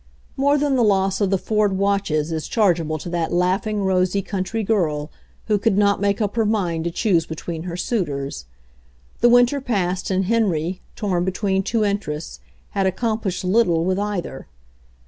More than the loss of the Ford watches is chargeable to that laughing, rosy country girl who could not make up her mind to choose between her suitors. The winter passed and Henry, torn between two interests, had accomplished little with either.